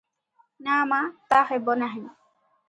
ନା ମା, ତା ହେବ ନାହିଁ ।